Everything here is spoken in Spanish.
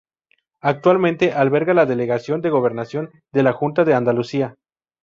Actualmente alberga la Delegación de Gobernación de la Junta de Andalucía.